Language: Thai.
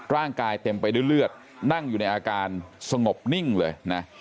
ร่างกายเต็มไปด้วยเลือดนั่งอยู่ในอาการสงบนิ่งเลยนะ